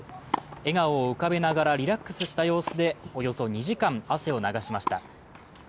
笑顔を浮かべながらリラックスした様子で、およそ２時間、汗を流しました。